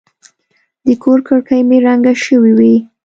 د کور کړکۍ مې رنګه شوې وې.